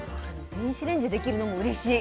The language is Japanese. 電子レンジでできるのもうれしい。